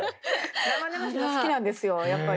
生々しいの好きなんですよやっぱり。